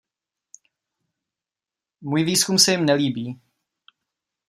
Můj výzkum se jim nelíbí.